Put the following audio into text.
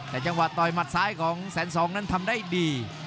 แต่จังหวะต่อยหมัดซ้ายของแสนสองนั้นทำได้ดี